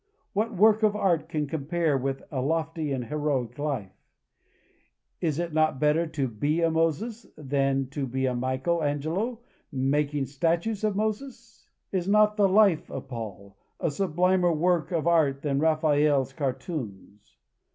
What work of art can compare with a lofty and heroic life? Is it not better to be a Moses than to be a Michael Angelo making statues of Moses? Is not the life of Paul a sublimer work of art than Raphael's cartoons?